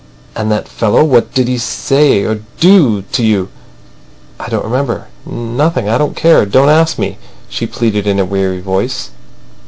"And that fellow, what did he do or say to you?" "I don't remember. ... Nothing .... I don't care. Don't ask me," she pleaded in a weary voice.